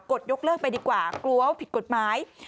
ยกเลิกไปดีกว่ากลัวว่าผิดกฎหมาย